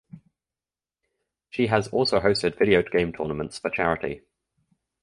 She has also hosted video game tournaments for charity.